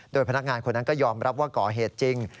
โดยพนักงานคนนั้นก็ยอมรับว่าก่อเหตุจริง